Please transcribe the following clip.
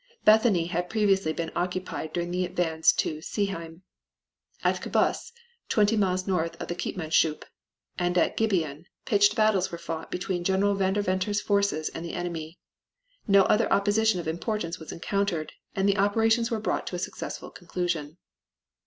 Bethany had previously been occupied during the advance to Seeheim. At Kabus, twenty miles to the north of Keetmanshoop, and at Gibeon pitched battles were fought between General Vanderventer's forces and the enemy. No other opposition of importance was encountered, and the operations were brought to a successful conclusion.